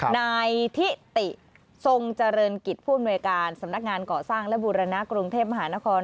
นายทิติทรงเจริญกิจผู้อำนวยการสำนักงานเกาะสร้างและบูรณะกรุงเทพมหานคร